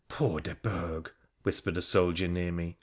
' Poor De Burgh !' whispered a soldier near me.